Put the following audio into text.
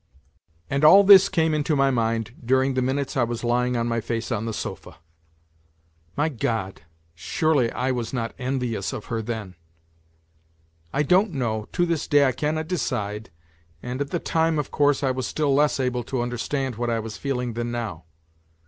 . And all this came into my mind during the minutes I was lying on my face on the sofa. My God ! surely I was not envious of her then. I don't know, to this day I cannot decide, and at the time, of course, I was still less able to understand what I was feeling than now.